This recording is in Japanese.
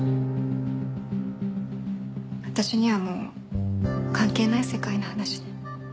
私にはもう関係ない世界の話ね。